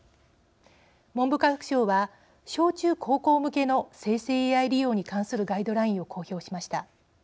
文部科学省は小、中、高校向けの生成ＡＩ利用に関するガイドラインを公表しました。